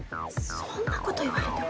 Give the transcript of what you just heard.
そんなこと言われても。